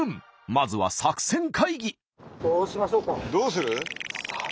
まずは作戦会議。